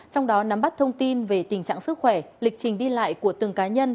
trong đó nắm bắt thông tin về tình trạng sức khỏe lịch trình đi lại của từng cá nhân